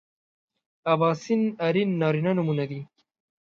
اباسین ارین نارینه نومونه دي